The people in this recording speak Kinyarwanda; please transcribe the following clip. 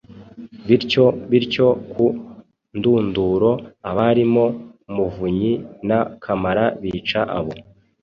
bityo bityo, ku ndunduro, abarimo Muvunyi na Kamara bica abo